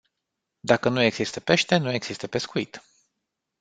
Dacă nu există pește, nu există pescuit.